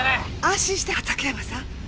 安心して畑山さん。